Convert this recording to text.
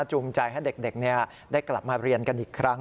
จูงใจให้เด็กได้กลับมาเรียนกันอีกครั้ง